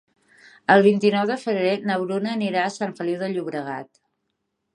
El vint-i-nou de febrer na Bruna anirà a Sant Feliu de Llobregat.